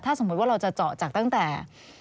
สมมุติว่าเราจะเจาะจากตั้งแต่